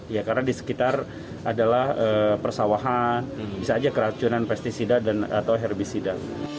ya karena di sekitar adalah persawahan bisa aja keracunan pesticida atau herbisida